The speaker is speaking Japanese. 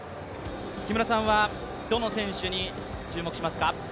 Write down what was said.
木村さんはどの選手に注目しますか。